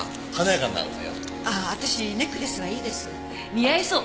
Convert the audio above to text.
似合いそう。